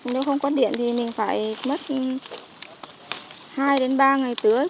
nếu không có điện thì mình phải mất hai đến ba ngày tưới